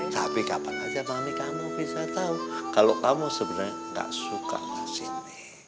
gapapa aja mami kamu bisa tahu kalau kamu sebenarnya gak suka sama cindy